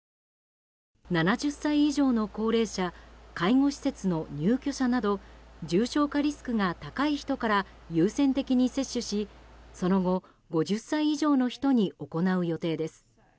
７０歳以上の高齢者介護施設の入居者など重症化リスクが高い人から優先的に接種しその後、５０歳以上の人に行う予定です。